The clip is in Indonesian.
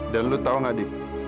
dan lu tau gak adik